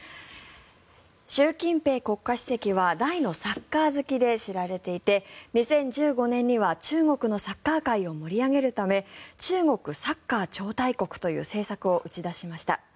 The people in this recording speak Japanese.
習近平国家主席は大のサッカー好きで知られていて２０１５年には中国のサッカー界を盛り上げるため中国サッカー超大国という政策を打ち出しました。